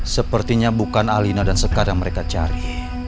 sepertinya bukan alina dan sekadang mereka cari